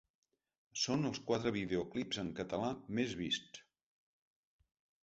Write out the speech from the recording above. Són els quatre videoclips en català més vists.